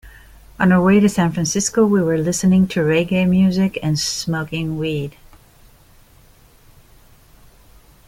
On our way to San Francisco, we were listening to reggae music and smoking weed.